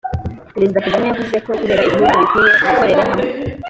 perezida kagame yavuze ko kubera ibihugu bikwiye gukorera hamwe